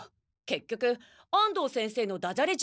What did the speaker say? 結局安藤先生のダジャレ